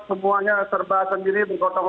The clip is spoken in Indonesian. semuanya serba sendiri